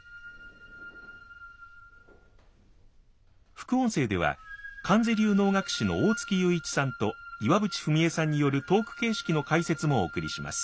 副音声では観世流能楽師の大槻裕一さんと岩渕文恵さんによるトーク形式の解説もお送りします。